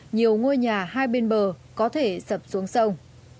nhiều ngôi nhà hai bên bờ có thể sập xuống sông